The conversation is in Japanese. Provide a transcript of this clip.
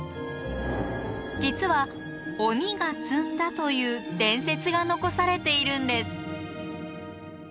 実は鬼が積んだという伝説が残されているんです。